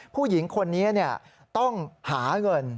ผู้หญิงคนนี้ต้องหาเงิน